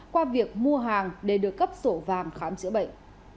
qua việc mua hàng để được cấp sổ vàng khám chữa bệnh